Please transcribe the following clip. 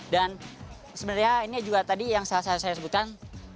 dan sebenarnya ini juga tadi yang saya sebutkan